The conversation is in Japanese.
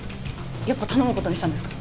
やっぱり頼む事にしたんですか？